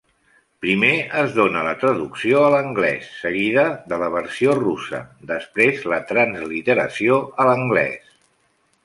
Primer es dóna la traducció a l'anglès, seguida de la versió russa, després la transliteració a l'anglès.